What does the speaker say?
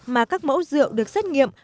mà các mẫu rượu được xét nghiệm